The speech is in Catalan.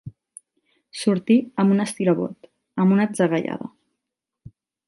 Sortir amb un estirabot, amb una atzagaiada.